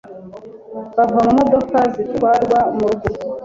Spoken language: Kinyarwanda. bava mu modoka zitwarwa mu rugo